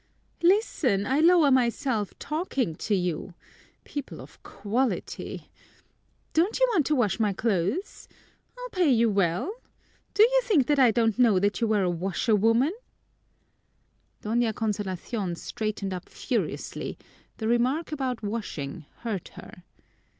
"Listen, I lower myself talking to you people of quality Don't you want to wash my clothes? I'll pay you well! Do you think that I don't know that you were a washerwoman_?_" Doña Consolacion straightened up furiously; the remark about washing hurt her.